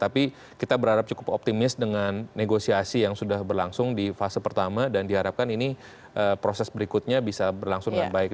tapi kita berharap cukup optimis dengan negosiasi yang sudah berlangsung di fase pertama dan diharapkan ini proses berikutnya bisa berlangsung dengan baik